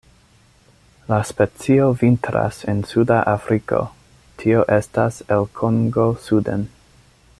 La specio vintras en suda Afriko, tio estas el Kongo suden.